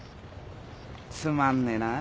つまんねえなあ。